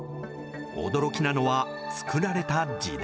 驚きなのは造られた時代。